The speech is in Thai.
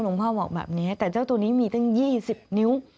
พ่อบอกแบบนี้แต่เจ้าตัวนี้มีตั้ง๒๐นิ้ว